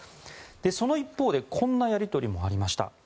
その一方でこんなやり取りもありました。